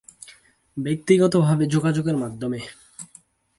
ব্যক্তিগতভাবে যোগাযোগের মাধ্যমে।